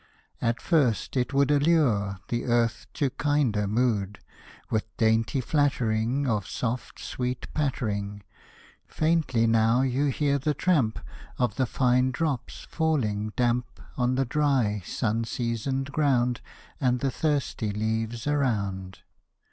At first it would allure The earth to kinder mood, With dainty flattering Of soft, sweet pattering: Faintly now you hear the tramp Of the fine drops falling damp On the dry, sun seasoned ground And the thirsty leaves around.